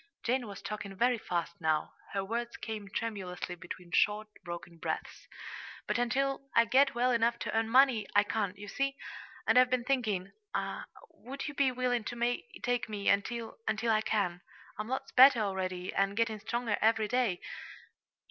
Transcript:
Jane was talking very fast now. Her words came tremulously between short, broken breaths. "But until I get well enough to earn money, I can't, you see. And I've been thinking; would you be willing to take me until until I can? I'm lots better, already, and getting stronger every day.